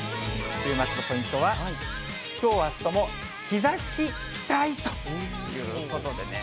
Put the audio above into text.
週末のポイントは、きょうあすとも日ざし期待ということでね。